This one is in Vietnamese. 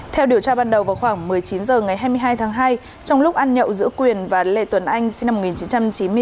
theo điều tra ban đầu vào khoảng một mươi chín h ngày hai mươi hai tháng hai trong lúc ăn nhậu giữa quyền và lê tuấn anh sinh năm một nghìn chín trăm chín mươi bốn